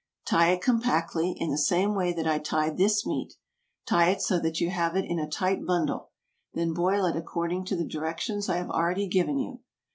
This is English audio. Tie it compactly, in the same way that I tied this meat. Tie it so that you have it in a tight bundle. Then boil it according to the directions I have already given you.